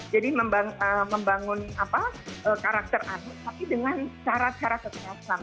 jadi membangun karakter anak tapi dengan cara cara kekerasan